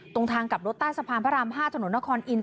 ตรงทางกลับรถใต้สะพานพระราม๕ถนนนครอินท